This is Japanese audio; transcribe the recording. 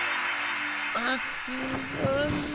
あっ。